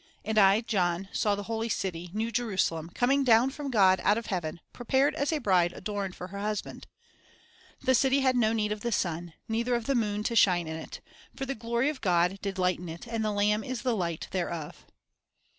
And I John saw the holy city, New Jerusalem, coming down from God out of heaven, prepared as a bride adorned for her husband." 2 "The city had no need of the sun, neither of the moon, to shine in it; for the glory of God did lighten it, and the Lamb is the light thereof."